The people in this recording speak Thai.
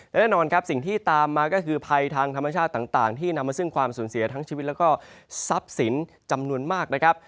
และแน่นอนครับสิ่งที่ตามมาก็คือภัยทางธรรมชาติต่างที่นำมาซึ่งความสูญเสียทั้งชีวิตแล้วก็ทรัพย์สินจำนวนมากนะครับ